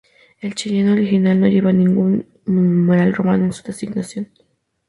El Cheyenne original no llevaba ningún numeral romano en su designación.